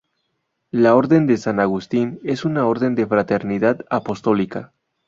La Orden de San Agustín es una orden de fraternidad apostólica.